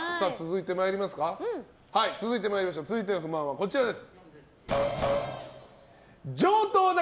続いての不満はこちらです。